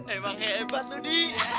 emangnya hebat lu di